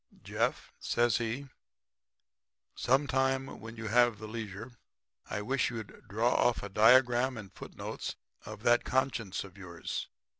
"'Jeff,' says he, 'some time when you have the leisure I wish you'd draw off a diagram and foot notes of that conscience of yours.